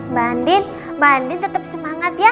mbak andin mbak andin tetep semangat ya